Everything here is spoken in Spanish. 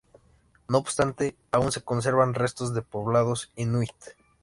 No obstante, aún se conservan restos de poblados Inuit.